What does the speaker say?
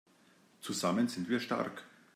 Zusammen sind wir stark!